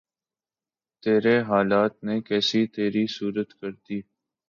تیرے حالات نے کیسی تری صورت کر دی